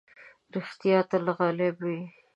رښتيا تل غالب وي.